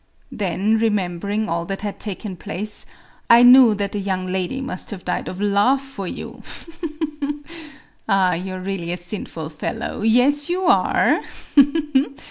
Then, remembering all that had taken place, I knew that the young lady must have died of love for you…. Ah, you are really a sinful fellow! Yes, you are!